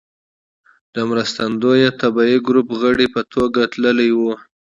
د مرستندويه طبي ګروپ غړي په توګه تللی و.